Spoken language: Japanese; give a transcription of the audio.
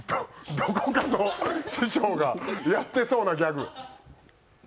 どこかの師匠がやってそうなギャグ。